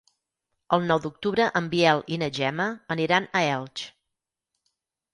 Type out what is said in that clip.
El nou d'octubre en Biel i na Gemma aniran a Elx.